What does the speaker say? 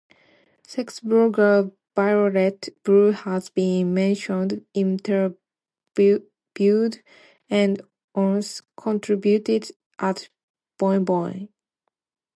Sex blogger Violet Blue has been mentioned, interviewed and once contributed at "Boing Boing".